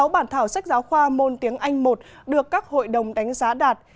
sáu bản thảo sách giáo khoa môn tiếng anh một được các hội đồng đánh giá đạt